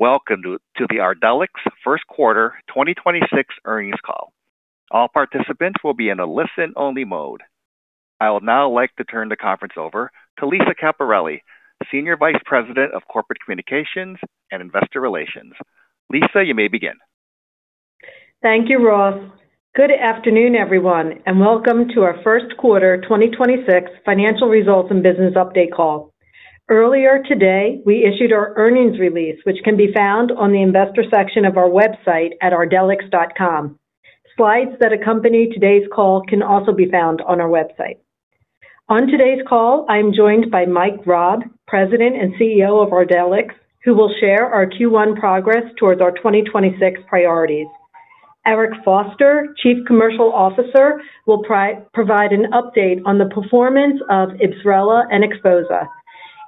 Welcome to the Ardelyx first quarter 2026 earnings call. All participants will be in a listen-only mode. I would now like to turn the conference over to Lisa Caperelli, Senior Vice President of Corporate Communications and Investor Relations. Lisa, you may begin. Thank you, Ross. Good afternoon, everyone, and welcome to our first quarter 2026 financial results and business update call. Earlier today, we issued our earnings release, which can be found on the investor section of our website at ardelyx.com. Slides that accompany today's call can also be found on our website. On today's call, I'm joined by Mike Raab, President and CEO of Ardelyx, who will share our Q1 progress towards our 2026 priorities. Eric Foster, Chief Commercial Officer, will provide an update on the performance of IBSRELA and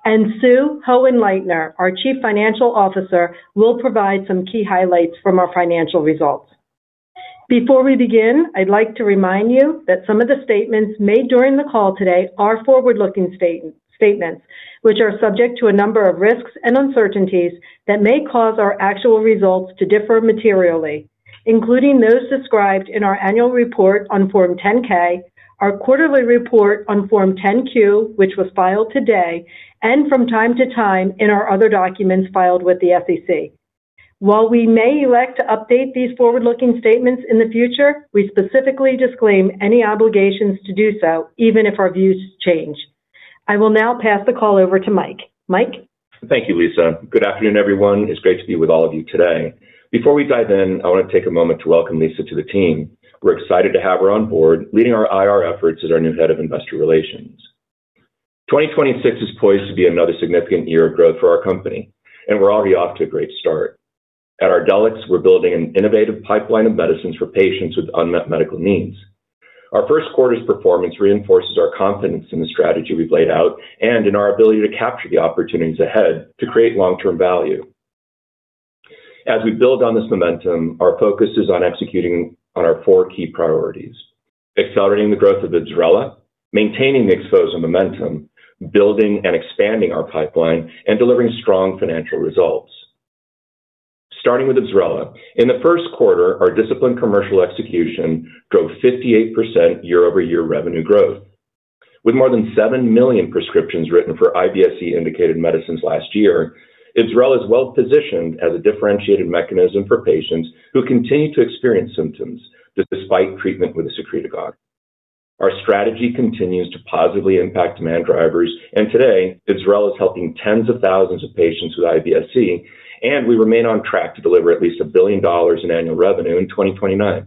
XPHOZAH. Sue Hohenleitner, our Chief Financial Officer, will provide some key highlights from our financial results. Before we begin, I'd like to remind you that some of the statements made during the call today are forward-looking statements, which are subject to a number of risks and uncertainties that may cause our actual results to differ materially, including those described in our annual report on Form 10-K, our quarterly report on Form 10-Q, which was filed today, and from time to time in our other documents filed with the SEC. While we may elect to update these forward-looking statements in the future, we specifically disclaim any obligations to do so even if our views change. I will now pass the call over to Mike. Mike? Thank you, Lisa. Good afternoon, everyone. It's great to be with all of you today. Before we dive in, I wanna take a moment to welcome Lisa to the team. We're excited to have her on board leading our IR efforts as our new Head of Investor Relations. 2026 is poised to be another significant year of growth for our company, and we're already off to a great start. At Ardelyx, we're building an innovative pipeline of medicines for patients with unmet medical needs. Our first quarter's performance reinforces our confidence in the strategy we've laid out and in our ability to capture the opportunities ahead to create long-term value. As we build on this momentum, our focus is on executing on our four key priorities: accelerating the growth of IBSRELA, maintaining the XPHOZAH momentum, building and expanding our pipeline, and delivering strong financial results. Starting with IBSRELA. In the first quarter, our disciplined commercial execution drove 58% year-over-year revenue growth. With more than 7 million prescriptions written for IBS-C indicated medicines last year, IBSRELA is well-positioned as a differentiated mechanism for patients who continue to experience symptoms despite treatment with a secretagogue. Our strategy continues to positively impact demand drivers. Today, IBSRELA is helping tens of thousands of patients with IBS-C, and we remain on track to deliver at least $1 billion in annual revenue in 2029.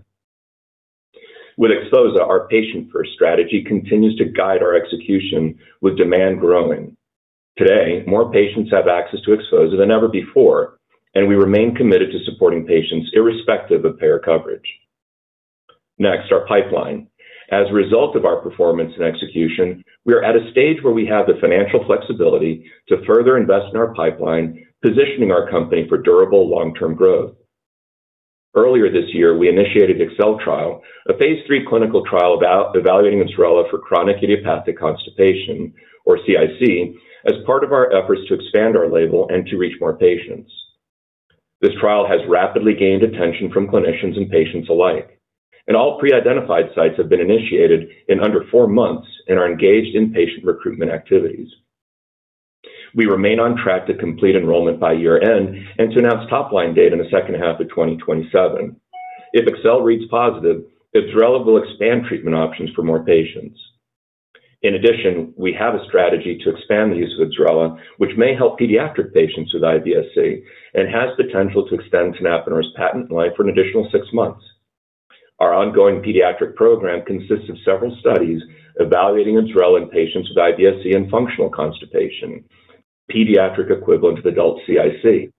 With XPHOZAH, our patient-first strategy continues to guide our execution with demand growing. Today, more patients have access to XPHOZAH than ever before. We remain committed to supporting patients irrespective of payer coverage. Next, our pipeline. As a result of our performance and execution, we are at a stage where we have the financial flexibility to further invest in our pipeline, positioning our company for durable long-term growth. Earlier this year, we initiated EXHALE Trial, a phase III clinical trial about evaluating IBSRELA for chronic idiopathic constipation or CIC as part of our efforts to expand our label and to reach more patients. This trial has rapidly gained attention from clinicians and patients alike, and all pre-identified sites have been initiated in under four months and are engaged in patient recruitment activities. We remain on track to complete enrollment by year-end and to announce top-line data in the second half of 2027. If EXHALE reads positive, IBSRELA will expand treatment options for more patients. In addition, we have a strategy to expand the use of IBSRELA, which may help pediatric patients with IBS-C and has potential to extend tenapanor's patent life for an additional six months. Our ongoing pediatric program consists of several studies evaluating IBSRELA in patients with IBS-C and functional constipation, pediatric equivalent to adult CIC.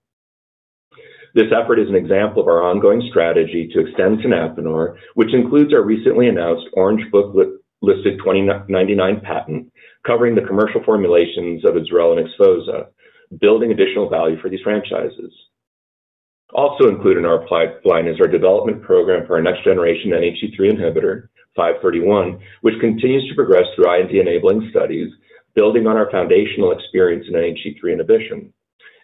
This effort is an example of our ongoing strategy to extend tenapanor, which includes our recently announced Orange Book listed 2099 patent covering the commercial formulations of IBSRELA and XPHOZAH, building additional value for these franchises. Also included in our pipeline is our development program for our next generation NHE3 inhibitor, RDX10531, which continues to progress through IND-enabling studies, building on our foundational experience in NHE3 inhibition.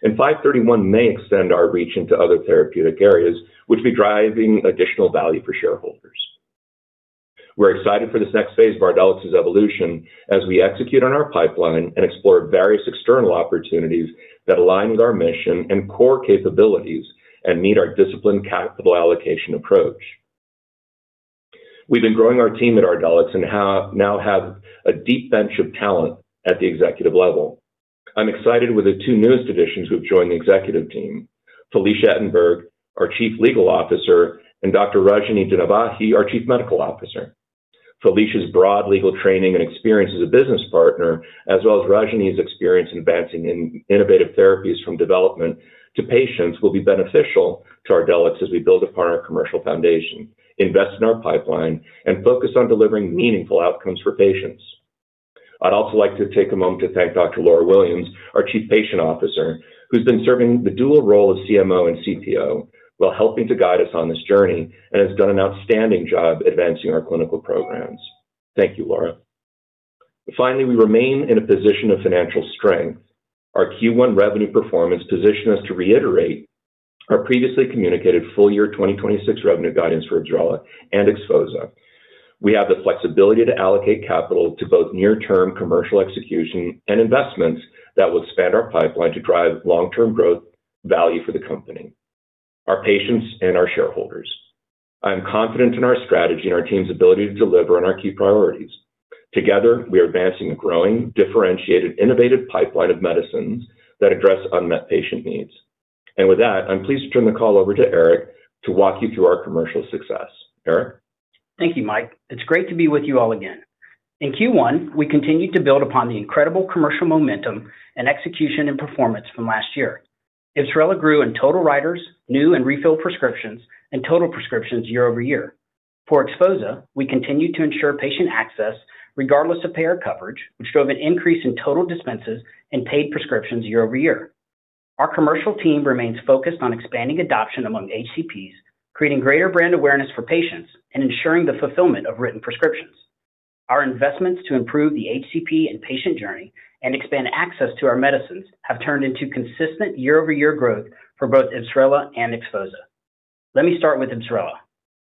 RDX10531 may extend our reach into other therapeutic areas, which will be driving additional value for shareholders. We're excited for this next phase of Ardelyx's evolution as we execute on our pipeline and explore various external opportunities that align with our mission and core capabilities and meet our disciplined capital allocation approach. We've been growing our team at Ardelyx and now have a deep bench of talent at the executive level. I'm excited with the two newest additions who have joined the executive team. Felecia Ettenberg, our Chief Legal Officer, and Dr. Rajani Dinavahi, our Chief Medical Officer. Felecia's broad legal training and experience as a business partner, as well as Rajani's experience in advancing innovative therapies from development to patients, will be beneficial to Ardelyx as we build upon our commercial foundation, invest in our pipeline, and focus on delivering meaningful outcomes for patients. I'd also like to take a moment to thank Dr. Laura Williams, our Chief Patient Officer, who's been serving the dual role of CMO and CPO while helping to guide us on this journey and has done an outstanding job advancing our clinical programs. Thank you, Laura. Finally, we remain in a position of financial strength. Our Q1 revenue performance positioned us to reiterate our previously communicated full year 2026 revenue guidance for IBSRELA and XPHOZAH. We have the flexibility to allocate capital to both near-term commercial execution and investments that will expand our pipeline to drive long-term growth value for the company, our patients and our shareholders. I am confident in our strategy and our team's ability to deliver on our key priorities. Together, we are advancing a growing, differentiated, innovative pipeline of medicines that address unmet patient needs. With that, I'm pleased to turn the call over to Eric to walk you through our commercial success. Eric? Thank you, Mike. It's great to be with you all again. In Q1, we continued to build upon the incredible commercial momentum and execution and performance from last year. IBSRELA grew in total writers, new and refilled prescriptions, and total prescriptions year-over-year. For XPHOZAH, we continued to ensure patient access regardless of payer coverage, which drove an increase in total dispenses and paid prescriptions year-over-year. Our commercial team remains focused on expanding adoption among HCPs, creating greater brand awareness for patients, and ensuring the fulfillment of written prescriptions. Our investments to improve the HCP and patient journey and expand access to our medicines have turned into consistent year-over-year growth for both IBSRELA and XPHOZAH. Let me start with IBSRELA.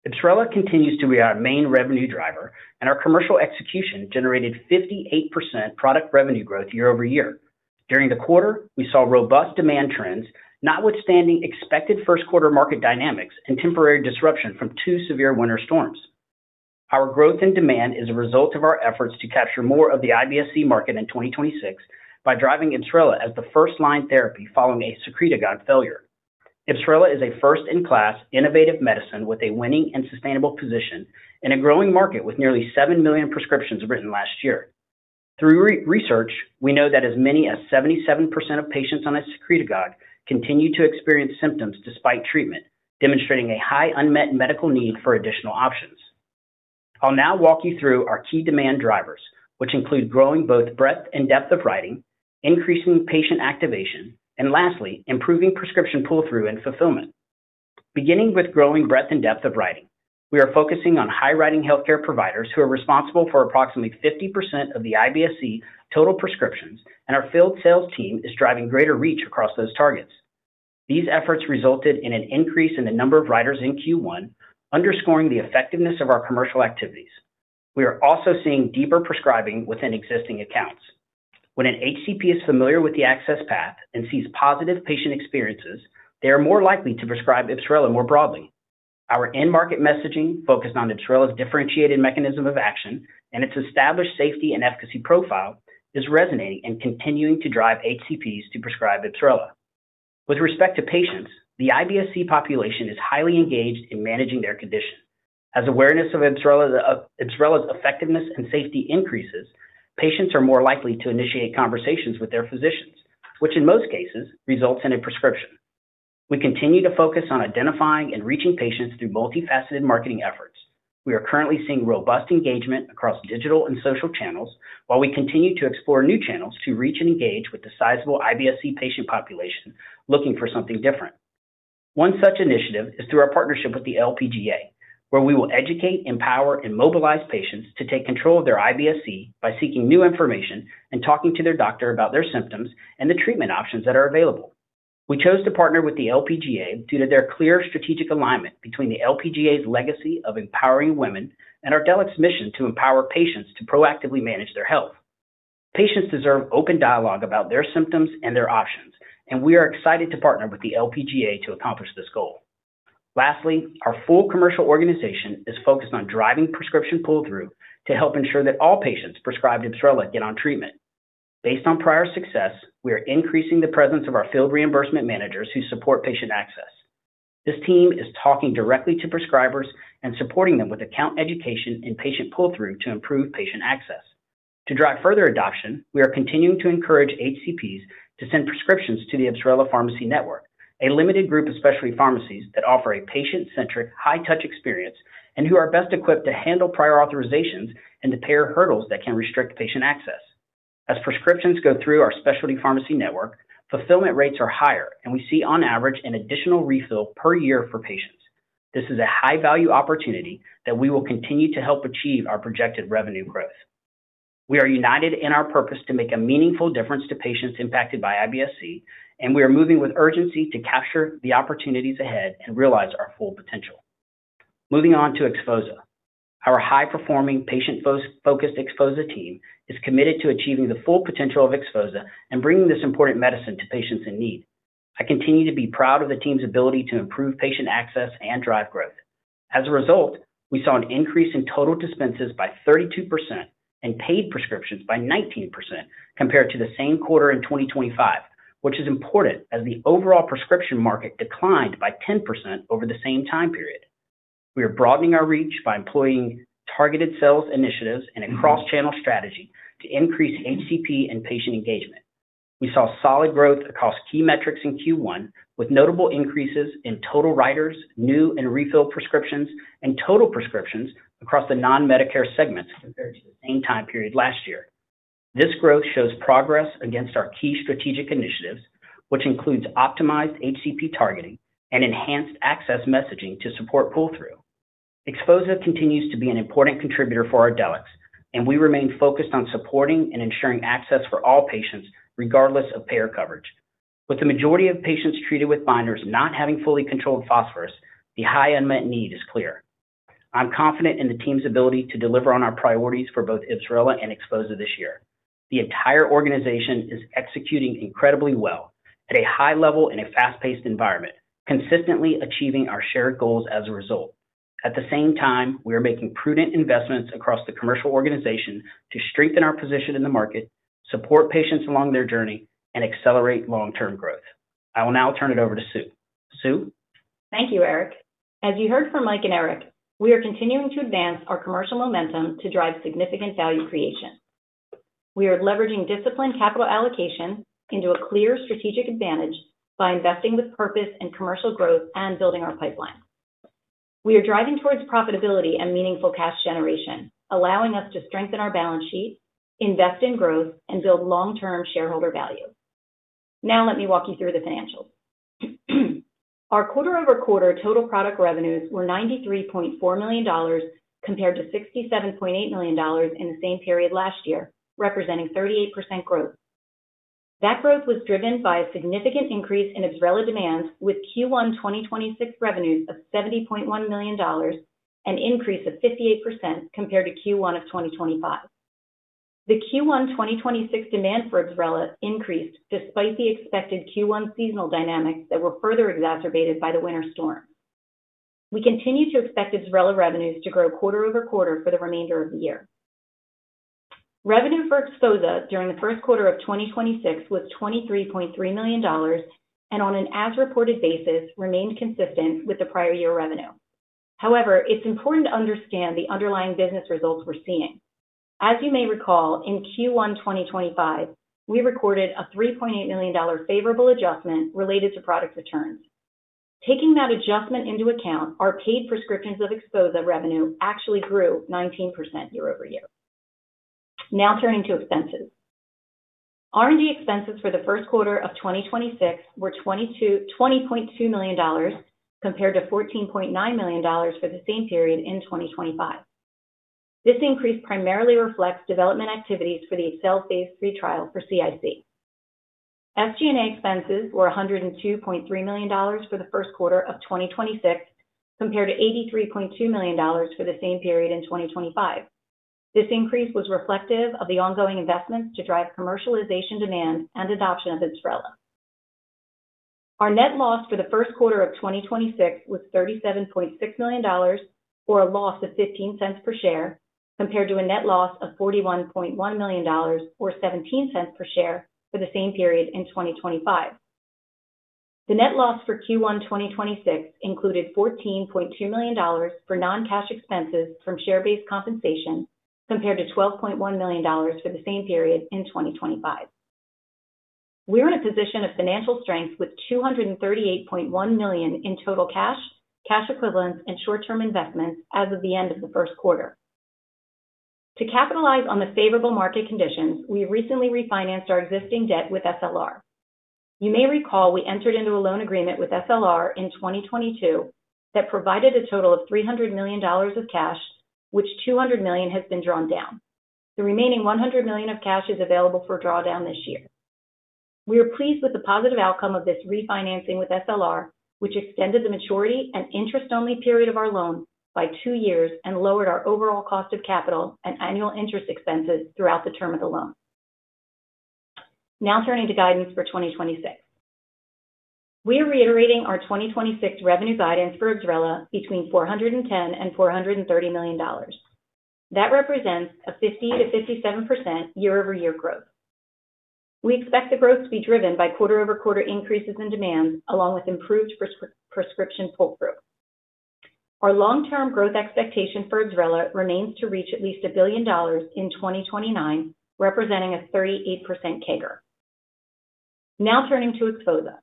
IBSRELA continues to be our main revenue driver. Our commercial execution generated 58% product revenue growth year-over-year. During the quarter, we saw robust demand trends, notwithstanding expected first quarter market dynamics and temporary disruption from two severe winter storms. Our growth and demand is a result of our efforts to capture more of the IBS-C market in 2026 by driving IBSRELA as the first-line therapy following a secretagogue failure. IBSRELA is a first-in-class innovative medicine with a winning and sustainable position in a growing market with nearly seven million prescriptions written last year. Through research, we know that as many as 77% of patients on a secretagogue continue to experience symptoms despite treatment, demonstrating a high unmet medical need for additional options. I'll now walk you through our key demand drivers, which include growing both breadth and depth of writing, increasing patient activation, and lastly, improving prescription pull-through and fulfillment. Beginning with growing breadth and depth of writing. We are focusing on high-writing healthcare providers who are responsible for approximately 50% of the IBS-C total prescriptions, and our field sales team is driving greater reach across those targets. These efforts resulted in an increase in the number of writers in Q1, underscoring the effectiveness of our commercial activities. We are also seeing deeper prescribing within existing accounts. When an HCP is familiar with the access path and sees positive patient experiences, they are more likely to prescribe IBSRELA more broadly. Our end-market messaging focused on IBSRELA's differentiated mechanism of action and its established safety and efficacy profile is resonating and continuing to drive HCPs to prescribe IBSRELA. With respect to patients, the IBS-C population is highly engaged in managing their condition. As awareness of IBSRELA's effectiveness and safety increases, patients are more likely to initiate conversations with their physicians, which in most cases results in a prescription. We continue to focus on identifying and reaching patients through multifaceted marketing efforts. We are currently seeing robust engagement across digital and social channels, while we continue to explore new channels to reach and engage with the sizable IBS-C patient population looking for something different. One such initiative is through our partnership with the LPGA, where we will educate, empower, and mobilize patients to take control of their IBS-C by seeking new information and talking to their doctor about their symptoms and the treatment options that are available. We chose to partner with the LPGA due to their clear strategic alignment between the LPGA's legacy of empowering women and Ardelyx's mission to empower patients to proactively manage their health. Patients deserve open dialogue about their symptoms and their options. We are excited to partner with the LPGA to accomplish this goal. Lastly, our full commercial organization is focused on driving prescription pull-through to help ensure that all patients prescribed IBSRELA get on treatment. Based on prior success, we are increasing the presence of our field reimbursement managers who support patient access. This team is talking directly to prescribers and supporting them with account education and patient pull-through to improve patient access. To drive further adoption, we are continuing to encourage HCPs to send prescriptions to the IBSRELA Pharmacy Network, a limited group of specialty pharmacies that offer a patient-centric, high-touch experience and who are best equipped to handle prior authorizations and payer hurdles that can restrict patient access. As prescriptions go through our specialty pharmacy network, fulfillment rates are higher, and we see on average an additional refill per year for patients. This is a high-value opportunity that we will continue to help achieve our projected revenue growth. We are united in our purpose to make a meaningful difference to patients impacted by IBS-C, and we are moving with urgency to capture the opportunities ahead and realize our full potential. Moving on to XPHOZAH. Our high-performing, patient-focused XPHOZAH team is committed to achieving the full potential of XPHOZAH and bringing this important medicine to patients in need. I continue to be proud of the team's ability to improve patient access and drive growth. As a result, we saw an increase in total dispenses by 32% and paid prescriptions by 19% compared to the same quarter in 2025, which is important as the overall prescription market declined by 10% over the same time period. We are broadening our reach by employing targeted sales initiatives and a cross-channel strategy to increase HCP and patient engagement. We saw solid growth across key metrics in Q1, with notable increases in total writers, new and refill prescriptions, and total prescriptions across the non-Medicare segments compared to the same time period last year. This growth shows progress against our key strategic initiatives, which includes optimized HCP targeting and enhanced access messaging to support pull-through. XPHOZAH continues to be an important contributor for Ardelyx, and we remain focused on supporting and ensuring access for all patients, regardless of payer coverage. With the majority of patients treated with binders not having fully controlled phosphorus, the high unmet need is clear. I'm confident in the team's ability to deliver on our priorities for both IBSRELA and XPHOZAH this year. The entire organization is executing incredibly well at a high level in a fast-paced environment, consistently achieving our shared goals as a result. At the same time, we are making prudent investments across the commercial organization to strengthen our position in the market, support patients along their journey, and accelerate long-term growth. I will now turn it over to Sue. Sue? Thank you, Eric. As you heard from Mike and Eric, we are continuing to advance our commercial momentum to drive significant value creation. We are leveraging disciplined capital allocation into a clear strategic advantage by investing with purpose and commercial growth and building our pipeline. We are driving towards profitability and meaningful cash generation, allowing us to strengthen our balance sheet, invest in growth, and build long-term shareholder value. Now, let me walk you through the financials. Our quarter-over-quarter total product revenues were $93.4 million compared to $67.8 million in the same period last year, representing 38% growth. That growth was driven by a significant increase in IBSRELA demand with Q1 2026 revenues of $70.1 million, an increase of 58% compared to Q1 2025. The Q1 2026 demand for IBSRELA increased despite the expected Q1 seasonal dynamics that were further exacerbated by the winter storm. We continue to expect IBSRELA revenues to grow quarter-over-quarter for the remainder of the year. Revenue for XPHOZAH during the first quarter of 2026 was $23.3 million and on an as-reported basis, remained consistent with the prior year revenue. However, it's important to understand the underlying business results we're seeing. As you may recall, in Q1 2025, we recorded a $3.8 million favorable adjustment related to product returns. Taking that adjustment into account, our paid prescriptions of XPHOZAH revenue actually grew 19% year-over-year. Now turning to expenses. R&D expenses for the first quarter of 2026 were $20.2 million compared to $14.9 million for the same period in 2025. This increase primarily reflects development activities for the ACCEL phase III trial for CIC. SG&A expenses were $102.3 million for the first quarter of 2026, compared to $83.2 million for the same period in 2025. This increase was reflective of the ongoing investments to drive commercialization demand and adoption of IBSRELA. Our net loss for the first quarter of 2026 was $37.6 million, or a loss of $0.15 per share, compared to a net loss of $41.1 million, or $0.17 per share for the same period in 2025. The net loss for Q1 2026 included $14.2 million for non-cash expenses from share-based compensation, compared to $12.1 million for the same period in 2025. We're in a position of financial strength with $238.1 million in total cash, cash equivalents, and short-term investments as of the end of the first quarter. To capitalize on the favorable market conditions, we recently refinanced our existing debt with SLR. You may recall we entered into a loan agreement with SLR in 2022 that provided a total of $300 million of cash, which $200 million has been drawn down. The remaining $100 million of cash is available for drawdown this year. We are pleased with the positive outcome of this refinancing with SLR, which extended the maturity and interest-only period of our loan by two years and lowered our overall cost of capital and annual interest expenses throughout the term of the loan. Turning to guidance for 2026. We are reiterating our 2026 revenue guidance for IBSRELA between $410 million and $430 million. That represents a 50%-57% year-over-year growth. We expect the growth to be driven by quarter-over-quarter increases in demand along with improved prescription pull-through. Our long-term growth expectation for IBSRELA remains to reach at least $1 billion in 2029, representing a 38% CAGR. Turning to XPHOZAH.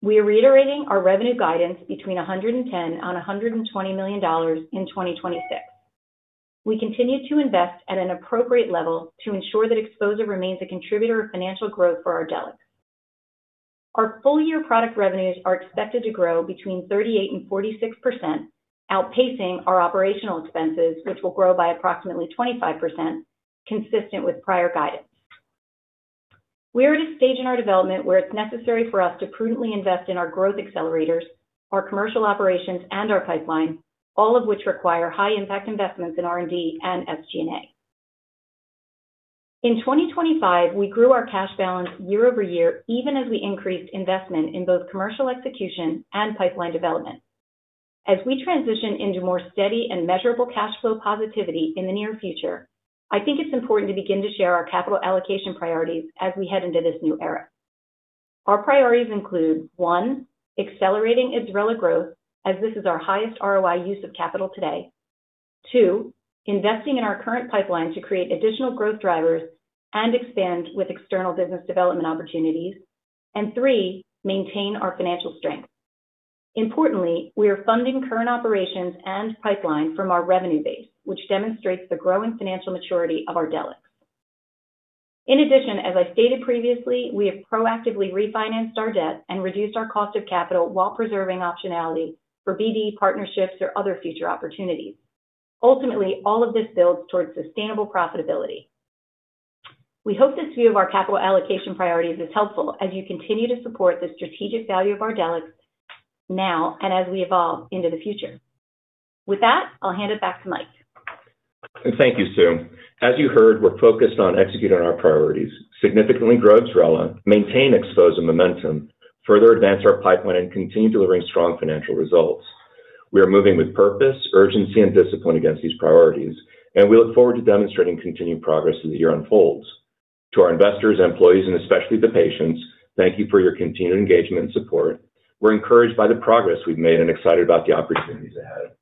We are reiterating our revenue guidance between $110 million and $120 million in 2026. We continue to invest at an appropriate level to ensure that XPHOZAH remains a contributor of financial growth for Ardelyx. Our full year product revenues are expected to grow between 38% and 46%, outpacing our operational expenses, which will grow by approximately 25%, consistent with prior guidance. We are at a stage in our development where it's necessary for us to prudently invest in our growth accelerators, our commercial operations, and our pipeline, all of which require high impact investments in R&D and SG&A. In 2025, we grew our cash balance year-over-year, even as we increased investment in both commercial execution and pipeline development. We transition into more steady and measurable cash flow positivity in the near future, I think it's important to begin to share our capital allocation priorities as we head into this new era. Our priorities include, one, accelerating IBSRELA growth, as this is our highest ROI use of capital today. Two, investing in our current pipeline to create additional growth drivers and expand with external business development opportunities. Three, maintain our financial strength. Importantly, we are funding current operations and pipeline from our revenue base, which demonstrates the growing financial maturity of Ardelyx. In addition, as I stated previously, we have proactively refinanced our debt and reduced our cost of capital while preserving optionality for BD partnerships or other future opportunities. Ultimately, all of this builds towards sustainable profitability. We hope this view of our capital allocation priorities is helpful as you continue to support the strategic value of Ardelyx now and as we evolve into the future. With that, I'll hand it back to Mike. Thank you, Sue. As you heard, we're focused on executing our priorities, significantly grow IBSRELA, maintain XPHOZAH momentum, further advance our pipeline, and continue delivering strong financial results. We are moving with purpose, urgency, and discipline against these priorities. We look forward to demonstrating continued progress as the year unfolds. To our investors, employees, and especially the patients, thank you for your continued engagement and support. We're encouraged by the progress we've made and excited about the opportunities ahead.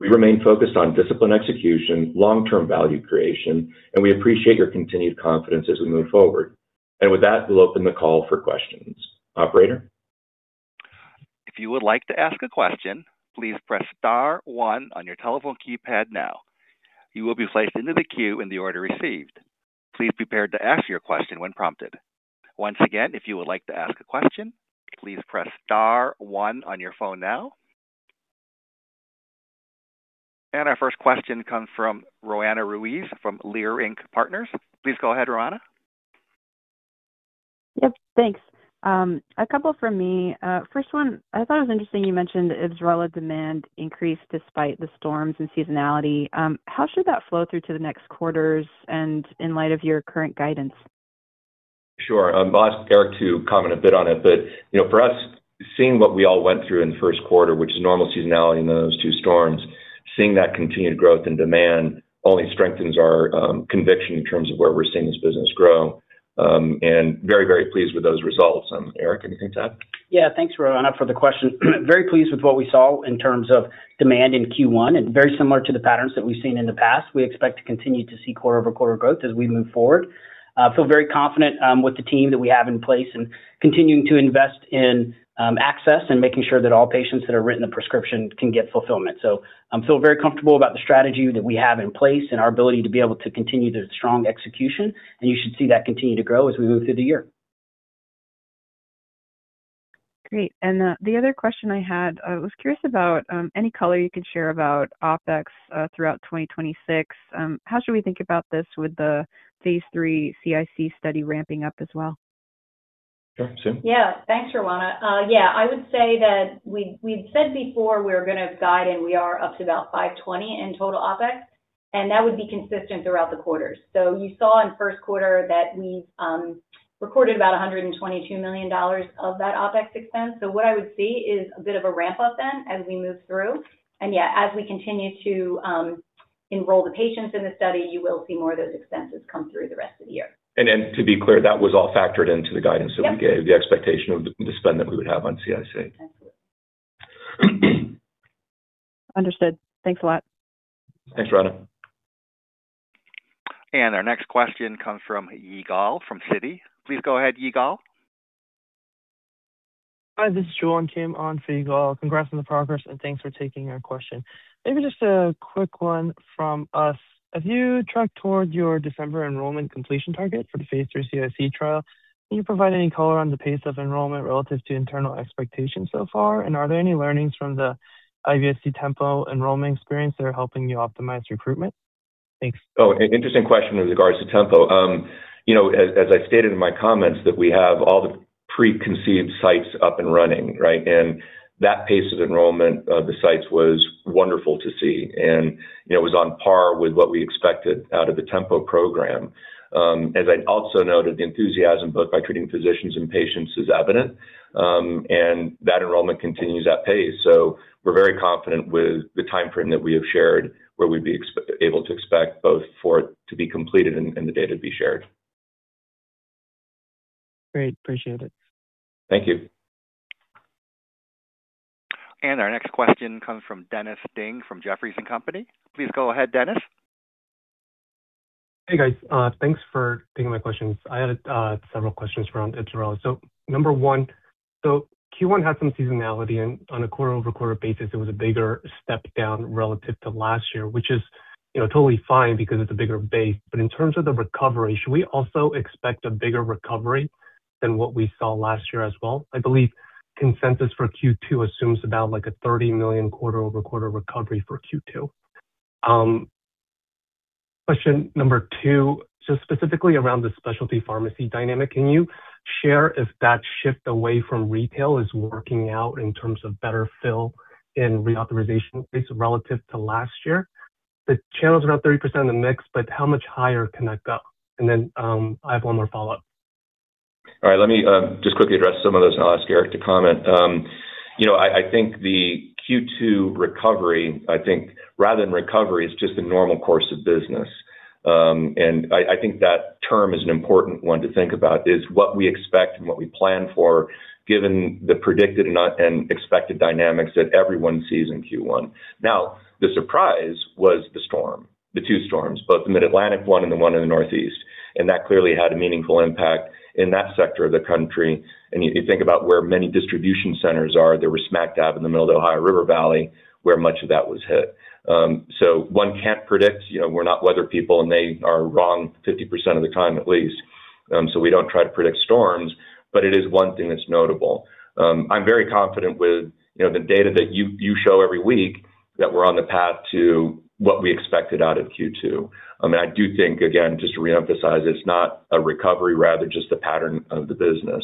We remain focused on disciplined execution, long-term value creation. We appreciate your continued confidence as we move forward. With that, we'll open the call for questions. Operator? If you would like to ask a question, please press star one on your telephone keypad now. You will be placed in to the queue in the order received. Please prepare to ask your question when prompted. Once again, if you would like to ask a question, please press star one on your phone now. Our first question comes from Roanna Ruiz from Leerink Partners. Please go ahead, Roanna. Yep. Thanks. A couple from me. First one, I thought it was interesting you mentioned the IBSRELA demand increased despite the storms and seasonality. How should that flow through to the next quarters and in light of your current guidance? Sure. I'll ask Eric to comment a bit on it. You know, for us, seeing what we all went through in the first quarter, which is normal seasonality and then those two storms, seeing that continued growth and demand only strengthens our conviction in terms of where we're seeing this business grow, and very, very pleased with those results. Eric, anything to add? Thanks, Roanna, for the question. Very pleased with what we saw in terms of demand in Q1 and very similar to the patterns that we've seen in the past. We expect to continue to see quarter-over-quarter growth as we move forward. Feel very confident with the team that we have in place and continuing to invest in access and making sure that all patients that are written a prescription can get fulfillment. I feel very comfortable about the strategy that we have in place and our ability to be able to continue the strong execution, and you should see that continue to grow as we move through the year. Great. The other question I had, I was curious about any color you could share about OpEx throughout 2026. How should we think about this with the phase III CIC study ramping up as well? Sure. Sue? Thanks, Roanna. Yeah, I would say that we'd said before we're gonna guide, and we are up to about $520 million in total OpEx, and that would be consistent throughout the quarters. You saw in first quarter that we recorded about $122 million of that OpEx expense. What I would see is a bit of a ramp-up then as we move through. Yeah, as we continue to enroll the patients in the study, you will see more of those expenses come through the rest of the year. To be clear, that was all factored into the guidance that we gave- Yep... the expectation of the spend that we would have on CIC. Absolutely. Understood. Thanks a lot. Thanks, Roanna. Our next question comes from Yigal from Citi. Please go ahead, Yigal. Hi, this is Joohwan Kim on for Yigal. Congrats on the progress. Thanks for taking our question. Maybe just a quick one from us. As you track toward your December enrollment completion target for the phase III CIC trial, can you provide any color on the pace of enrollment relative to internal expectations so far? Are there any learnings from the IBS-C TEMPO enrollment experience that are helping you optimize recruitment? Thanks. Oh, interesting question with regards to TEMPO. You know, as I stated in my comments, that we have all the pre-identified sites up and running, right? That pace of enrollment of the sites was wonderful to see and, you know, was on par with what we expected out of the TEMPO program. As I also noted, the enthusiasm both by treating physicians and patients is evident, and that enrollment continues at pace. We're very confident with the timeframe that we have shared, where we'd be able to expect both for it to be completed and the data to be shared. Great. Appreciate it. Thank you. Our next question comes from Dennis Ding from Jefferies & Company. Please go ahead, Dennis. Hey, guys. Thanks for taking my questions. I had several questions around IBSRELA. Number one, Q1 had some seasonality and on a quarter-over-quarter basis, it was a bigger step down relative to last year, which is, you know, totally fine because it's a bigger base. In terms of the recovery, should we also expect a bigger recovery than what we saw last year as well? I believe consensus for Q2 assumes about like a $30 million quarter-over-quarter recovery for Q2. Question number two, just specifically around the specialty pharmacy dynamic, can you share if that shift away from retail is working out in terms of better fill in reauthorization rates relative to last year? The channel's around 30% of the mix, but how much higher can that go? I have one more follow-up. All right. Let me just quickly address some of those, and I'll ask Eric to comment. You know, I think the Q2 recovery, I think rather than recovery, is just the normal course of business. I think that term is an important one to think about, is what we expect and what we plan for given the predicted and expected dynamics that everyone sees in Q1. Now, the surprise was the storm, the two storms, both the Mid-Atlantic one and the one in the Northeast, and that clearly had a meaningful impact in that sector of the country. You think about where many distribution centers are, they were smack dab in the middle of the Ohio River Valley, where much of that was hit. One can't predict. You know, we're not weather people, and they are wrong 50% of the time at least. We don't try to predict storms, but it is one thing that's notable. I'm very confident with, you know, the data that you show every week that we're on the path to what we expected out of Q2. I mean, I do think, again, just to reemphasize, it's not a recovery, rather just the pattern of the business.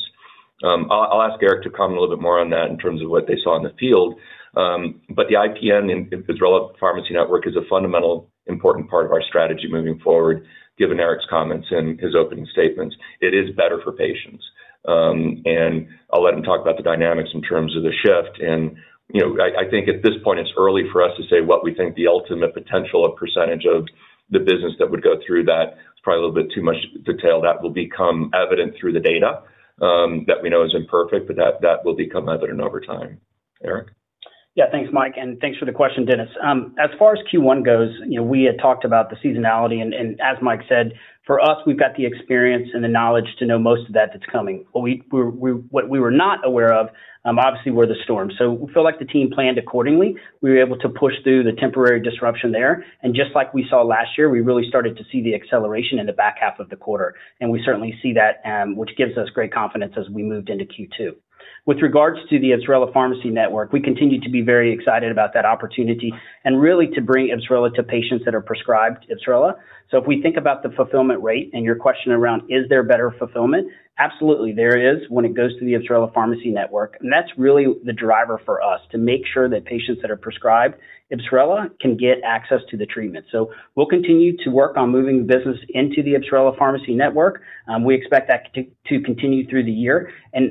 I'll ask Eric to comment a little bit more on that in terms of what they saw in the field. The IPN, the IBSRELA Pharmacy Network is a fundamental important part of our strategy moving forward, given Eric's comments and his opening statements. It is better for patients. I'll let him talk about the dynamics in terms of the shift and, you know, I think at this point it's early for us to say what we think the ultimate potential of percentage of the business that would go through that. It's probably a little bit too much detail. That will become evident through the data that we know is imperfect, but that will become evident over time. Eric. Thanks, Mike, and thanks for the question, Dennis. As far as Q1 goes, you know, we had talked about the seasonality and as Mike said, for us, we've got the experience and the knowledge to know most of that that's coming. What we, what we were not aware of, obviously were the storms. We feel like the team planned accordingly. We were able to push through the temporary disruption there, just like we saw last year, we really started to see the acceleration in the back half of the quarter. We certainly see that, which gives us great confidence as we moved into Q2. With regards to the IBSRELA Pharmacy Network, we continue to be very excited about that opportunity and really to bring IBSRELA to patients that are prescribed IBSRELA. If we think about the fulfillment rate and your question around is there better fulfillment, absolutely there is when it goes through the IBSRELA Pharmacy Network. That's really the driver for us, to make sure that patients that are prescribed IBSRELA can get access to the treatment. We'll continue to work on moving the business into the IBSRELA Pharmacy Network. We expect that to continue through the year.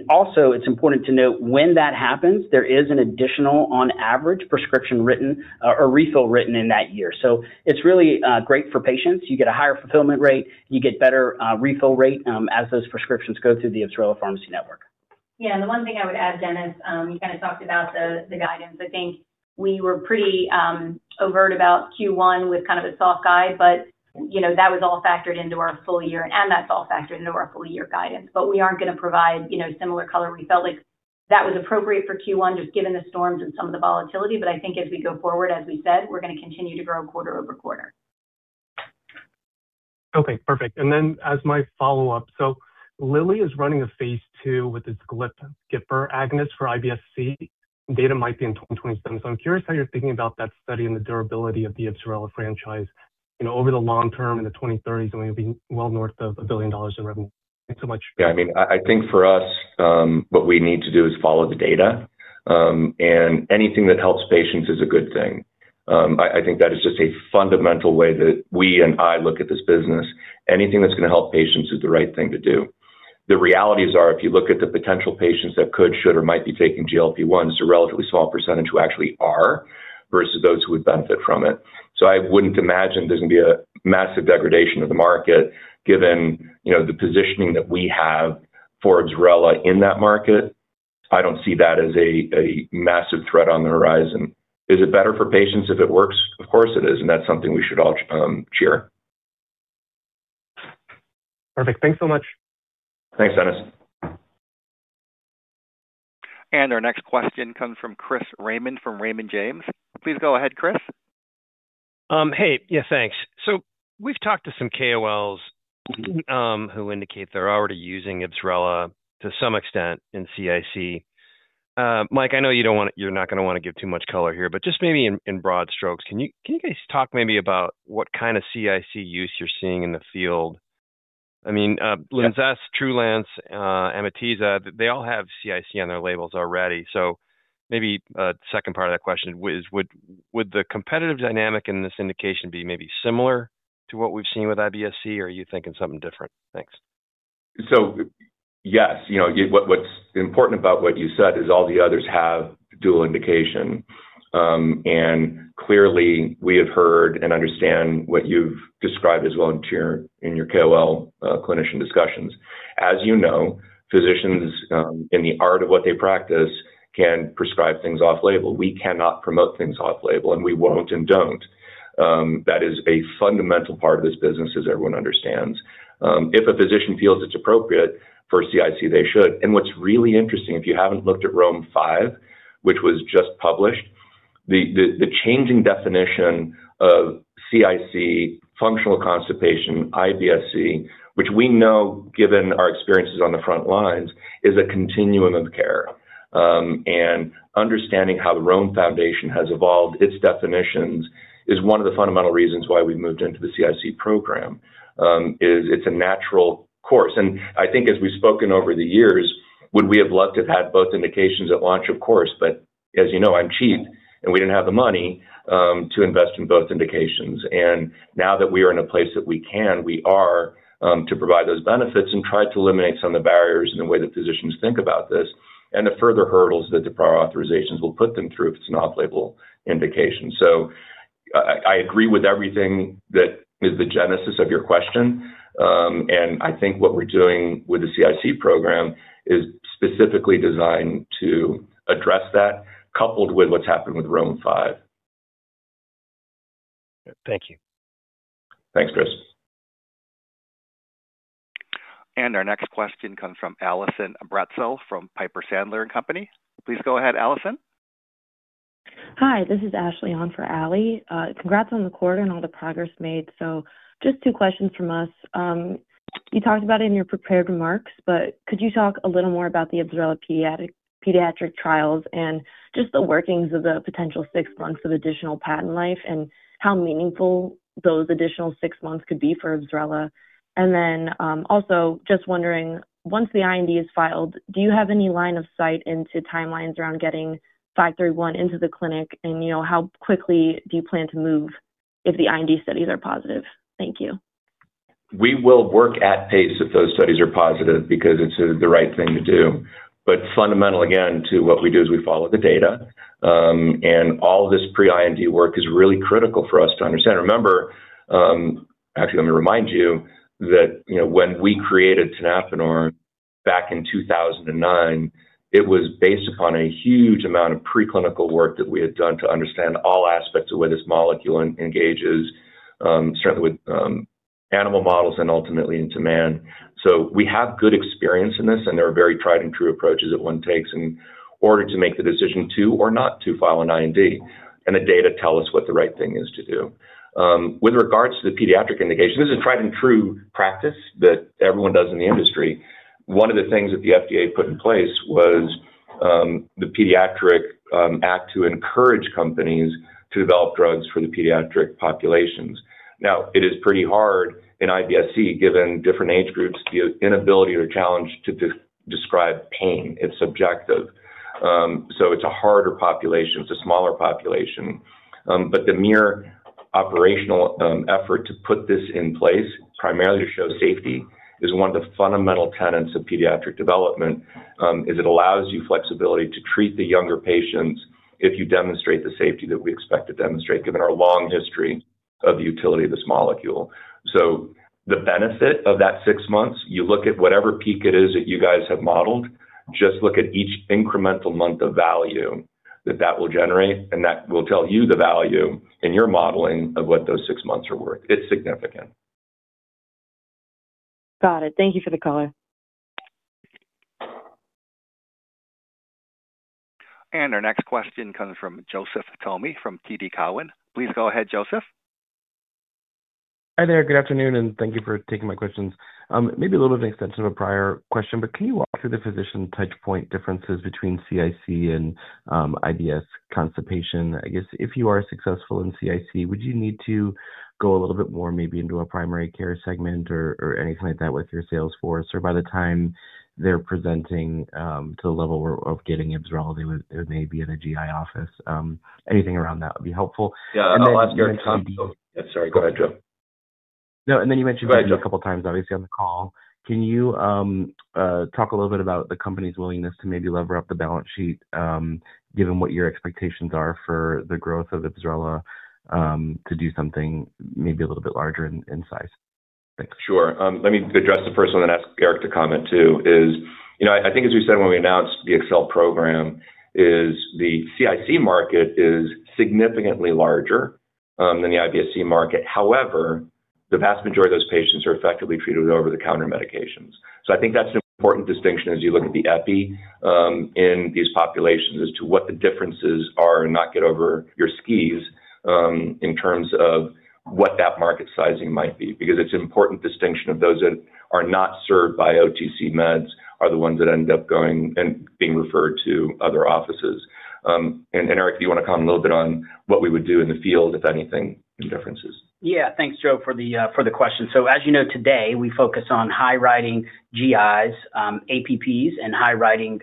Also, it's important to note when that happens, there is an additional, on average, prescription written, or refill written in that year. It's really great for patients. You get a higher fulfillment rate. You get better refill rate as those prescriptions go through the IBSRELA Pharmacy Network. Yeah. The one thing I would add, Dennis, you kind of talked about the guidance. I think we were pretty overt about Q1 with kind of a soft guide, but you know, that was all factored into our full year and that's all factored into our full year guidance. We aren't gonna provide, you know, similar color. We felt like that was appropriate for Q1 just given the storms and some of the volatility, but I think as we go forward, as we said, we're gonna continue to grow quarter-over-quarter. Okay. Perfect. As my follow-up, Lilly is running a phase II with the GIPR agonist for IBS-C. Data might be in 2027. I'm curious how you're thinking about that study and the durability of the IBSRELA franchise, you know, over the long term in the 2030s when we'll be well north of $1 billion in revenue. Thanks so much. I mean, I think for us, what we need to do is follow the data. Anything that helps patients is a good thing. I think that is just a fundamental way that we and I look at this business. Anything that's gonna help patients is the right thing to do. The realities are if you look at the potential patients that could, should, or might be taking GLP-1s, it's a relatively small percentage who actually are versus those who would benefit from it. I wouldn't imagine there's gonna be a massive degradation of the market given, you know, the positioning that we have for IBSRELA in that market. I don't see that as a massive threat on the horizon. Is it better for patients if it works? Of course it is, and that's something we should all cheer. Perfect. Thanks so much. Thanks, Dennis. Our next question comes from Chris Raymond from Raymond James. Please go ahead, Chris. Hey. Yeah, thanks. We've talked to some KOLs, who indicate they're already using IBSRELA to some extent in CIC. Mike, I know you're not gonna wanna give too much color here, but just maybe in broad strokes, can you, can you guys talk maybe about what kind of CIC use you're seeing in the field? I mean- Yeah.... Linzess, Trulance, Amitiza, they all have CIC on their labels already. Maybe a second part of that question is would the competitive dynamic in this indication be maybe similar to what we've seen with IBS-C, or are you thinking something different? Thanks. Yes. You know, what's important about what you said is all the others have dual indication. And clearly we have heard and understand what you've described as well in your, in your KOL clinician discussions. As you know, physicians, in the art of what they practice can prescribe things off-label. We cannot promote things off-label, and we won't and don't. That is a fundamental part of this business as everyone understands. If a physician feels it's appropriate for CIC, they should. What's really interesting, if you haven't looked at Rome V, which was just published, the changing definition of CIC, functional constipation, IBS-C, which we know given our experiences on the front lines, is a continuum of care. Understanding how the Rome Foundation has evolved its definitions is one of the fundamental reasons why we've moved into the CIC program, is it's a natural course. I think as we've spoken over the years, would we have loved to have had both indications at launch? Of course. As you know, I'm cheap, and we didn't have the money to invest in both indications. Now that we are in a place that we can, we are to provide those benefits and try to eliminate some of the barriers in the way that physicians think about this and the further hurdles that the prior authorizations will put them through if it's an off-label indication. I agree with everything that is the genesis of your question. I think what we're doing with the CIC program is specifically designed to address that, coupled with what's happened with Rome V. Thank you. Thanks, Chris. Our next question comes from Allison Bratzel from Piper Sandler & Co. Please go ahead, Allison. Hi, this is Ashley on for Allie. Congrats on the quarter and all the progress made. Just two questions from us. You talked about it in your prepared remarks, but could you talk a little more about the IBSRELA pediatric trials and just the workings of the potential six months of additional patent life and how meaningful those additional six months could be for IBSRELA? Also just wondering, once the IND is filed, do you have any line of sight into timelines around getting RDX10531 into the clinic? You know, how quickly do you plan to move if the IND studies are positive? Thank you. We will work at pace if those studies are positive because it's the right thing to do. Fundamental, again, to what we do is we follow the data. All this pre-IND work is really critical for us to understand. Remember, actually, let me remind you that, you know, when we created tenapanor back in 2009, it was based upon a huge amount of preclinical work that we had done to understand all aspects of where this molecule engages, certainly with animal models and ultimately into man. We have good experience in this, and there are very tried-and-true approaches that one takes in order to make the decision to or not to file an IND, and the data tell us what the right thing is to do. With regards to the pediatric indication, this is a tried and true practice that everyone does in the industry. One of the things that the FDA put in place was the pediatric act to encourage companies to develop drugs for the pediatric populations. It is pretty hard in IBS-C, given different age groups, the inability or challenge to describe pain. It's subjective. So it's a harder population. It's a smaller population. The mere operational effort to put this in place primarily to show safety is one of the fundamental tenets of pediatric development, it allows you flexibility to treat the younger patients if you demonstrate the safety that we expect to demonstrate given our long history of the utility of this molecule. The benefit of that six months, you look at whatever peak it is that you guys have modeled, just look at each incremental month of value that that will generate, and that will tell you the value in your modeling of what those six months are worth. It's significant. Got it. Thank you for the color. Our next question comes from Joseph Thome from TD Cowen. Please go ahead, Joseph. Hi there. Good afternoon, and thank you for taking my questions. Maybe a little bit of an extension of a prior question, can you walk through the physician touch point differences between CIC and IBS-C? I guess if you are successful in CIC, would you need to go a little bit more maybe into a primary care segment or anything like that with your sales force? By the time they're presenting to the level where of getting IBSRELA, they may be in a GI office. Anything around that would be helpful. Yeah. I'll ask Eric to comment. Oh, sorry. Go ahead, Joe. No. Then you mentioned- Go ahead, Joe.... a couple of times, obviously, on the call. Can you talk a little bit about the company's willingness to maybe lever up the balance sheet, given what your expectations are for the growth of IBSRELA, to do something maybe a little bit larger in size? Thanks. Sure. Let me address the first one and ask Eric to comment too. You know, I think as we said when we announced the ACCEL program, the CIC market is significantly larger than the IBS-C market. The vast majority of those patients are effectively treated with over-the-counter medications. I think that's an important distinction as you look at the epi in these populations as to what the differences are and not get over your skis in terms of what that market sizing might be. It's an important distinction of those that are not served by OTC meds are the ones that end up going and being referred to other offices. Eric, do you wanna comment a little bit on what we would do in the field, if anything, any differences? Yeah. Thanks, Joseph, for the question. As you know today, we focus on high-writing GIs, APPs, and high-writing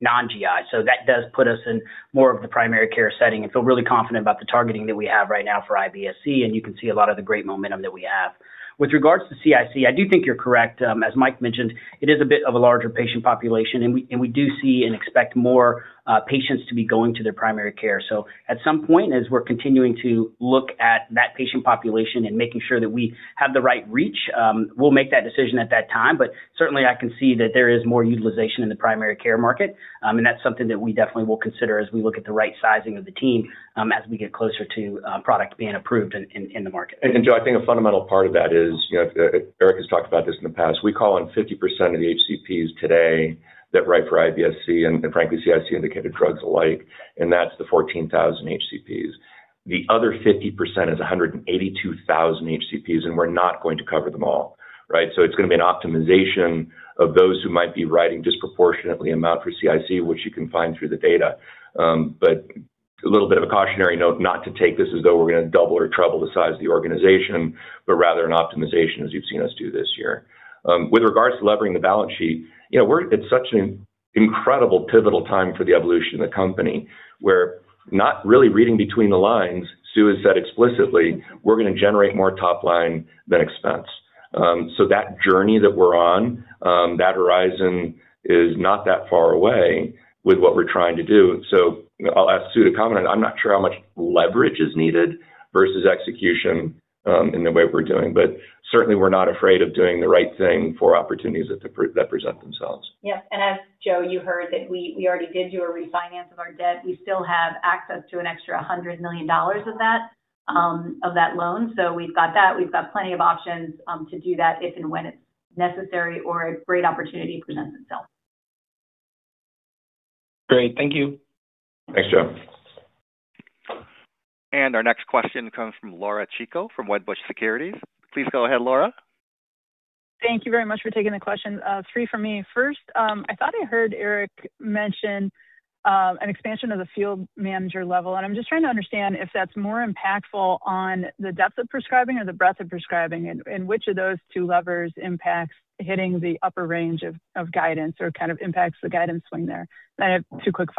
non-GIs. That does put us in more of the primary care setting and feel really confident about the targeting that we have right now for IBS-C, and you can see a lot of the great momentum that we have. With regards to CIC, I do think you're correct. As Mike mentioned, it is a bit of a larger patient population, and we do see and expect more patients to be going to their primary care. At some point, as we're continuing to look at that patient population and making sure that we have the right reach, we'll make that decision at that time. Certainly I can see that there is more utilization in the primary care market, and that's something that we definitely will consider as we look at the right sizing of the team, as we get closer to product being approved in the market. Joseph, I think a fundamental part of that is, you know, Eric has talked about this in the past. We call on 50% of the HCPs today that write for IBS-C and frankly, CIC-indicated drugs alike. That's the 14,000 HCPs. The other 50% is 182,000 HCPs. We're not going to cover them all, right? It's gonna be an optimization of those who might be writing disproportionately amount for CIC, which you can find through the data. A little bit of a cautionary note not to take this as though we're gonna double or treble the size of the organization, but rather an optimization as you've seen us do this year. With regards to levering the balance sheet, you know, we're at such an incredible pivotal time for the evolution of the company. We're not really reading between the lines. Sue has said explicitly, we're gonna generate more top-line than expense. That journey that we're on, that horizon is not that far away with what we're trying to do. I'll ask Sue to comment. I'm not sure how much leverage is needed versus execution, in the way we're doing. Certainly we're not afraid of doing the right thing for opportunities that present themselves. Yes. As Joe, you heard that we already did do a refinance of our debt. We still have access to an extra $100 million of that loan. We've got that. We've got plenty of options to do that if and when it's necessary or a great opportunity presents itself. Great. Thank you. Thanks, Joe. Our next question comes from Laura Chico from Wedbush Securities. Please go ahead, Laura. Thank you very much for taking the question. Three for me. First, I thought I heard Eric mention an expansion of the field manager level, and I'm just trying to understand if that's more impactful on the depth of prescribing or the breadth of prescribing and which of those two levers impacts hitting the upper range of guidance or kind of impacts the guidance swing there. I have two quick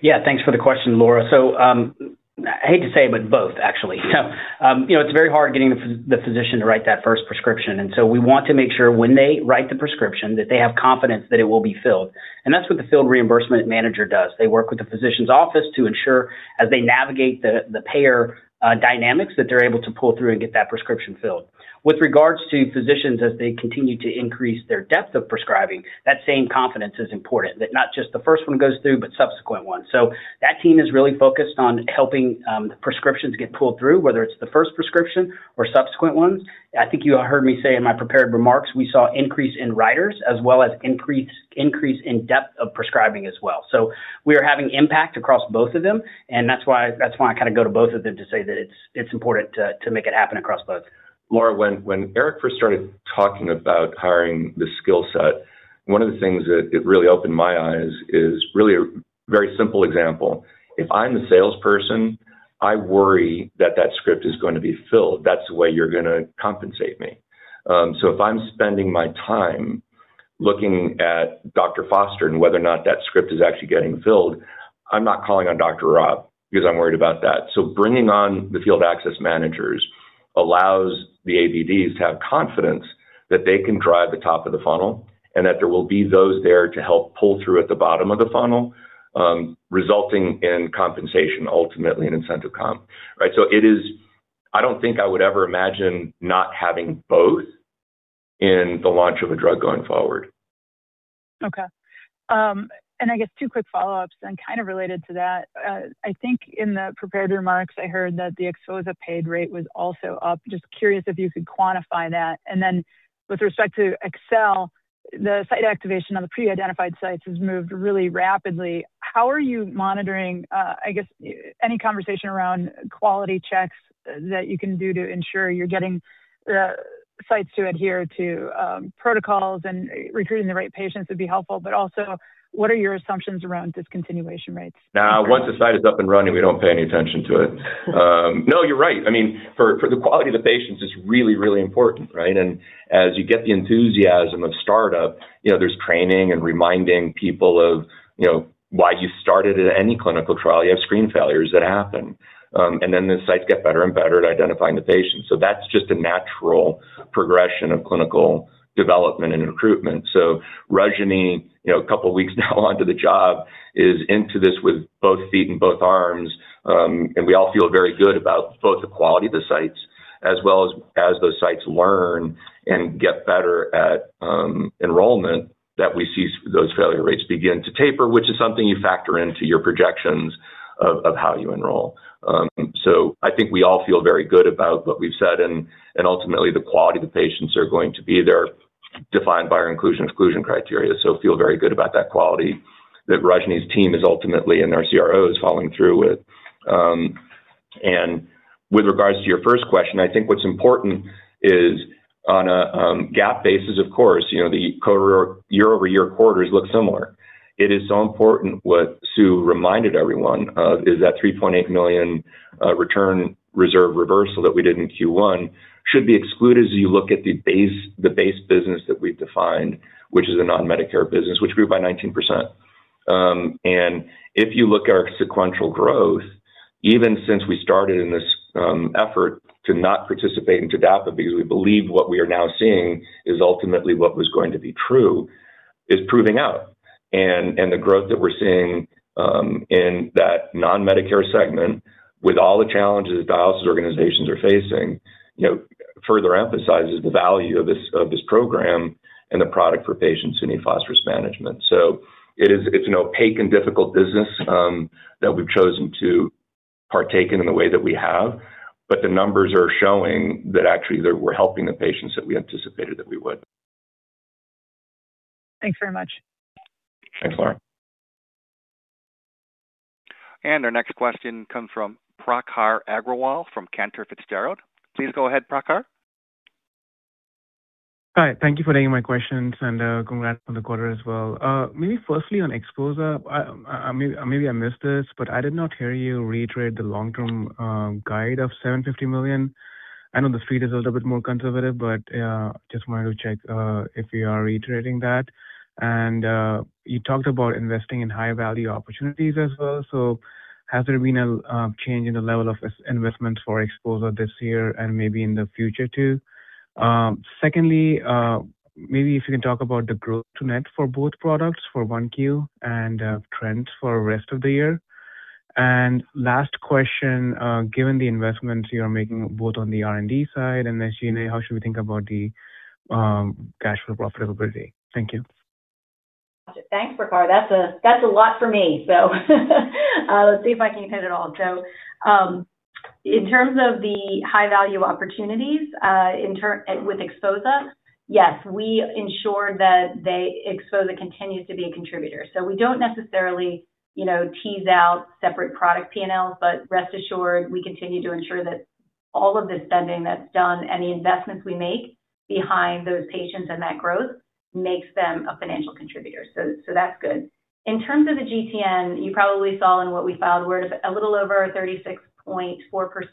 follow-ups. Thanks for the question, Laura. I hate to say, but both actually. You know, it is very hard getting the physician to write that first prescription. We want to make sure when they write the prescription that they have confidence that it will be filled. That is what the field reimbursement manager does. They work with the physician's office to ensure as they navigate the payer dynamics that they are able to pull through and get that prescription filled. With regards to physicians as they continue to increase their depth of prescribing, that same confidence is important, that not just the first one goes through, but subsequent ones. That team is really focused on helping the prescriptions get pulled through, whether it is the first prescription or subsequent ones. I think you all heard me say in my prepared remarks, we saw increase in writers as well as increase in depth of prescribing as well. We are having impact across both of them, and that's why I kind of go to both of them to say that it's important to make it happen across both. Laura, when Eric first started talking about hiring the skill set, one of the things that it really opened my eyes is really a very simple example. If I'm the salesperson, I worry that that script is going to be filled. That's the way you're gonna compensate me. If I'm spending my time looking at Dr. Foster and whether or not that script is actually getting filled, I'm not calling on Dr. Raab because I'm worried about that. Bringing on the field access managers allows the ABDs to have confidence that they can drive the top of the funnel and that there will be those there to help pull through at the bottom of the funnel, resulting in compensation, ultimately an incentive comp, right? I don't think I would ever imagine not having both in the launch of a drug going forward. Okay. I guess two quick follow-ups and kind of related to that. I think in the prepared remarks, I heard that the exposure paid rate was also up. Just curious if you could quantify that. With respect to ACCEL, the site activation on the pre-identified sites has moved really rapidly. How are you monitoring, I guess, any conversation around quality checks that you can do to ensure you're getting the sites to adhere to protocols and recruiting the right patients would be helpful, but also, what are your assumptions around discontinuation rates? Now, once the site is up and running, we don't pay any attention to it. No, you're right. I mean, for the quality of the patients, it's really, really important, right? As you get the enthusiasm of startup, you know, there's training and reminding people of, you know, why you started at any clinical trial. You have screen failures that happen. The sites get better and better at identifying the patients. That's just a natural progression of clinical development and recruitment. Rajani, you know, a couple weeks now onto the job is into this with both feet and both arms. We all feel very good about both the quality of the sites as well as those sites learn and get better at enrollment that we see those failure rates begin to taper, which is something you factor into your projections of how you enroll. I think we all feel very good about what we've said and ultimately the quality of the patients are going to be there, defined by our inclusion/exclusion criteria. Feel very good about that quality that Rajani's team is ultimately and our CRO is following through with. With regards to your first question, I think what's important is on a GAAP basis, of course, you know, year-over-year quarters look similar. It is so important what Sue reminded everyone of is that $3.8 million return reserve reversal that we did in Q1 should be excluded as you look at the base business that we've defined, which is a non-Medicare business, which grew by 19%. If you look at our sequential growth, even since we started in this effort to not participate in TDAPA because we believe what we are now seeing is ultimately what was going to be true, is proving out. The growth that we're seeing in that non-Medicare segment with all the challenges dialysis organizations are facing, you know, further emphasizes the value of this program and the product for patients who need phosphorus management. It's an opaque and difficult business that we've chosen to partake in in the way that we have, but the numbers are showing that actually we're helping the patients that we anticipated that we would. Thanks very much. Thanks, Laura. Our next question comes from Prakhar Agrawal from Cantor Fitzgerald. Please go ahead, Prakhar. Hi. Thank you for taking my questions, and congrats on the quarter as well. Maybe firstly on XPHOZAH. I, maybe I missed this, but I did not hear you reiterate the long-term guide of $750 million. I know the street is a little bit more conservative, but just wanted to check if you are reiterating that. You talked about investing in high-value opportunities as well. Has there been a change in the level of this investment for XPHOZAH this year and maybe in the future too? Secondly, maybe if you can talk about the growth to net for both products for 1Q and trends for rest of the year. Last question, given the investments you are making both on the R&D side and SG&A, how should we think about the cash flow profitability? Thank you. Thanks, Prakhar. That's a, that's a lot for me. Let's see if I can hit it all. In terms of the high-value opportunities, with XPHOZAH, yes, we ensure that XPHOZAH continues to be a contributor. We don't necessarily, you know, tease out separate product P&Ls, but rest assured, we continue to ensure that all of the spending that's done, any investments we make behind those patients and that growth makes them a financial contributor. That's good. In terms of the GTN, you probably saw in what we filed, we're a little over 36.4% of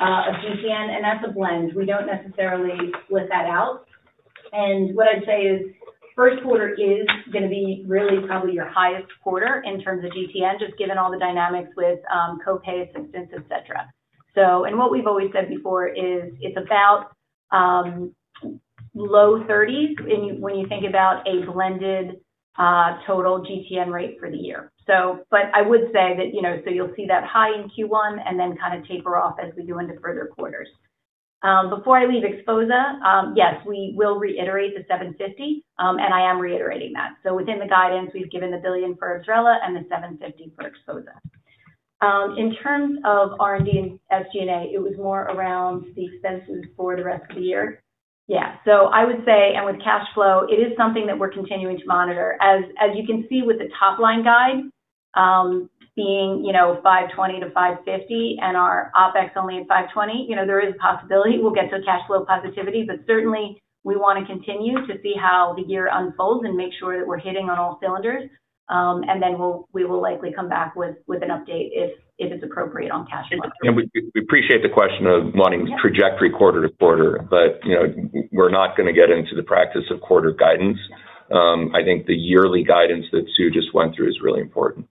GTN, and that's a blend. We don't necessarily split that out. What I'd say is first quarter is gonna be really probably your highest quarter in terms of GTN, just given all the dynamics with co-pay assistance, et cetera. What we've always said before is it's about low 30% when you think about a blended total GTN rate for the year. I would say that, you know, you'll see that high in Q1 and then kind of taper off as we go into further quarters. Before I leave XPHOZAH, yes, we will reiterate the $750 million, and I am reiterating that. Within the guidance, we've given the $1 billion for IBSRELA and the $750 million for XPHOZAH. In terms of R&D and SG&A, it was more around the expenses for the rest of the year. I would say, with cash flow, it is something that we're continuing to monitor. As you can see with the top-line guide, being, you know, $520 million-$550 million and our OPEX only at $520 million, you know, there is possibility we'll get to a cash flow positivity. Certainly we wanna continue to see how the year unfolds and make sure that we're hitting on all cylinders. Then we will likely come back with an update if it's appropriate on cash flow. We appreciate the question of wanting trajectory quarter to quarter, but, you know, we're not gonna get into the practice of quarter guidance. I think the yearly guidance that Sue just went through is really important.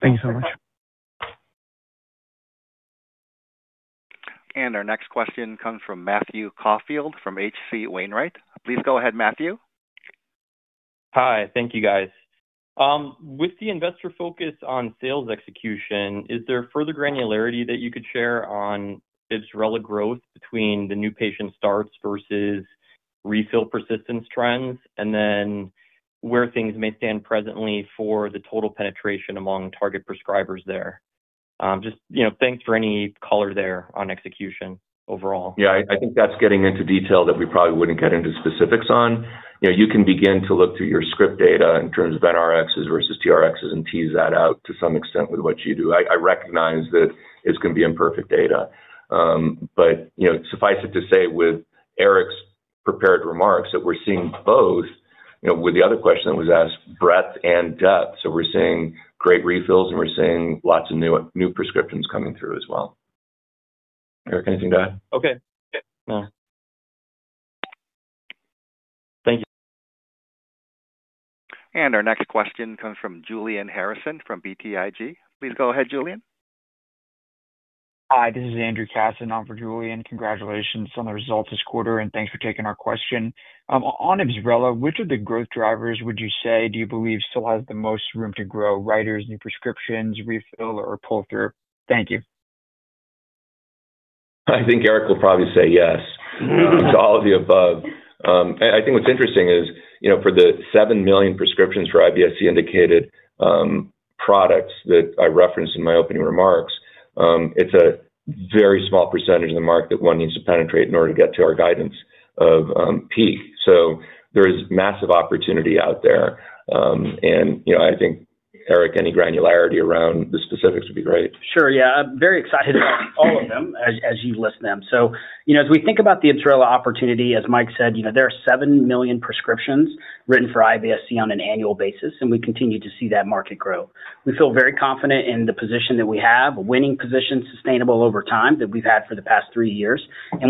Thank you so much. Our next question comes from Matthew Caufield from H.C. Wainwright. Please go ahead, Matthew. Hi. Thank you, guys. With the investor focus on sales execution, is there further granularity that you could share on the IBSRELA growth between the new patient starts versus refill persistence trends? Where things may stand presently for the total penetration among target prescribers there. You know, thanks for any color there on execution overall. Yeah, I think that's getting into detail that we probably wouldn't get into specifics on. You know, you can begin to look through your script data in terms of NRx versus TRx and tease that out to some extent with what you do. I recognize that it's gonna be imperfect data. But, you know, suffice it to say with Eric's prepared remarks that we're seeing both, you know, with the other question that was asked, breadth and depth. We're seeing great refills, and we're seeing lots of new prescriptions coming through as well. Eric, anything to add? Okay. Yeah. No. Thank you. Our next question comes from Julian Harrison from BTIG. Please go ahead, Julian. Hi, this is Andrew Casson on for Julian. Congratulations on the results this quarter, and thanks for taking our question. On IBSRELA, which of the growth drivers would you say do you believe still has the most room to grow, writers, new prescriptions, refill or pull-through? Thank you. I think Eric will probably say yes to all of the above. I think what's interesting is, you know, for the seven million prescriptions for IBS-C-indicated products that I referenced in my opening remarks, it's a very small percentage of the market that one needs to penetrate in order to get to our guidance of peak. There is massive opportunity out there. You know, I think, Eric, any granularity around the specifics would be great. Sure, yeah. I'm very excited about all of them as you list them. As we think about the IBSRELA opportunity, as Mike said, you know, there are seven million prescriptions written for IBS-C on an annual basis. We continue to see that market grow. We feel very confident in the position that we have, a winning position sustainable over time that we've had for the past three years.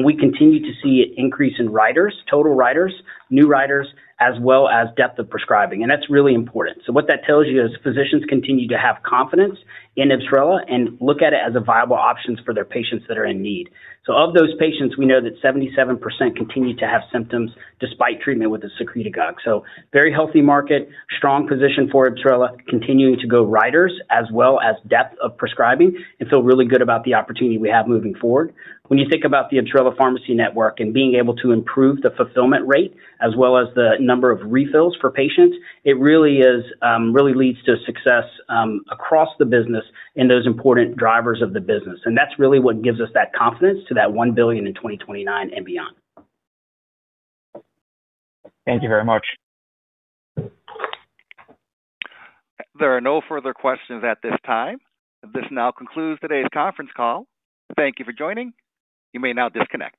We continue to see an increase in writers, total writers, new writers, as well as depth of prescribing, and that's really important. What that tells you is physicians continue to have confidence in IBSRELA and look at it as a viable options for their patients that are in need. Of those patients, we know that 77% continue to have symptoms despite treatment with a secretagogue drug. Very healthy market, strong position for IBSRELA, continuing to go writers as well as depth of prescribing and feel really good about the opportunity we have moving forward. When you think about the IBSRELA Pharmacy Network and being able to improve the fulfillment rate as well as the number of refills for patients, it really is, really leads to success across the business in those important drivers of the business. That's really what gives us that confidence to that $1 billion in 2029 and beyond. Thank you very much. There are no further questions at this time. This now concludes today's conference call. Thank you for joining. You may now disconnect.